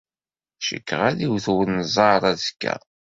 Ur cikkeɣ ad d-iwet wenẓar azekka.